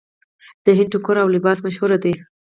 د هند ټوکر او لباس مشهور دی.